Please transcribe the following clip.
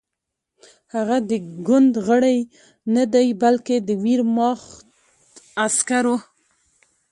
هغه د ګوند غړی نه دی بلکې د ویرماخت عسکر و